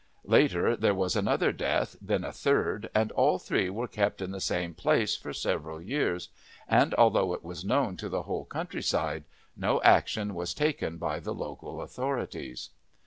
Later there was another death, then a third, and all three were kept in the same place for several years, and although it was known to the whole countryside no action was taken by the local authorities.